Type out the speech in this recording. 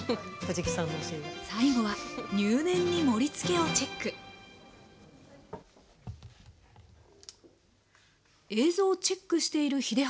最後は入念に盛りつけをチェック映像をチェックしている秀治さん。